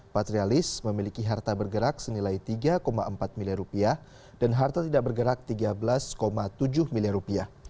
patrialis memiliki harta bergerak senilai tiga empat miliar rupiah dan harta tidak bergerak rp tiga belas tujuh miliar rupiah